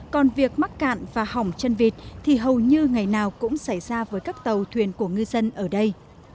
còn việc mắc cạn và hỏng chân vịt thì hầu như ngày nào cũng xảy ra với các tàu thuyền của ngư dân ở đây